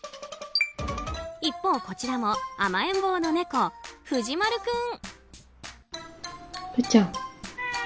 一方、こちらも甘えん坊の猫富士丸君。